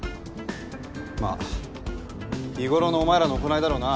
まあ日頃のお前らの行いだろうな。